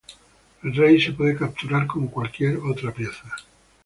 El rey se puede capturar como cualquier otra pieza.